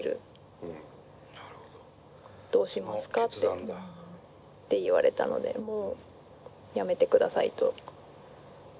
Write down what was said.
その決断だ。って言われたのでもうやめてくださいと。